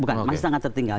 bukan masih sangat tertinggal